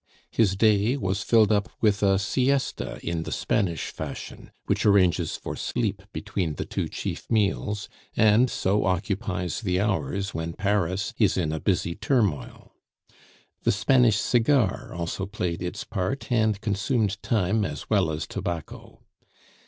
His day was filled up with a siesta in the Spanish fashion, which arranges for sleep between the two chief meals, and so occupies the hours when Paris is in a busy turmoil. The Spanish cigar also played its part, and consumed time as well as tobacco.